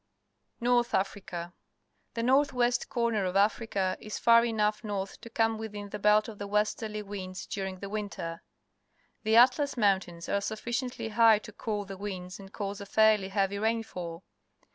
North Africa. — The north west corner of Africa is far enough north to come within the belt of the westerly winds during the winter. The AtJMS IMoiintains are sufficiently high to cool the windsand cause af airly heavy rainfall.